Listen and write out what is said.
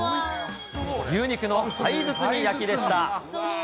牛肉のパイ包み焼きでした。